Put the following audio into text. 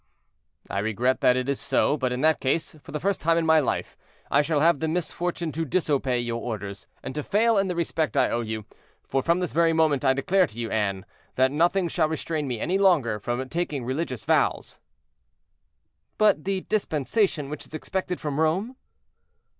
"I regret that it is so; but in that case, for the first time in my life, I shall have the misfortune to disobey your orders, and to fail in the respect I owe you; for from this very moment I declare to you, Anne, that nothing shall restrain me any longer from taking religious vows." "But the dispensation which is expected from Rome?"